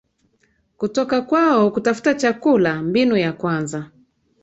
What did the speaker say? kutoka kwao Kutafuta chakula Mbinu ya kwanza